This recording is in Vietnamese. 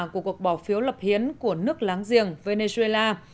của cuộc bỏ phiếu lập hiến của nước láng giềng venezuela